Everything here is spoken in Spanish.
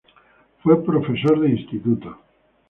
Fue profesor de Instituto.